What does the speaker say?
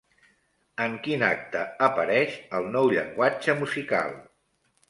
En quin acte apareix el nou llenguatge musical?